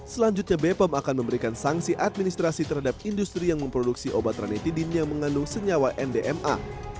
selanjutnya bepom akan memberikan sanksi administrasi terhadap industri yang memproduksi obat ranitidin yang mengandung senyawa ndma